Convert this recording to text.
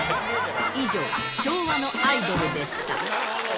以上、昭和のアイドルでした。